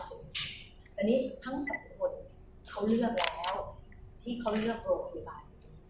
อันนี้ทั้งสักคนเขาเลือกแล้วที่เขาเลือกโรคบริบัน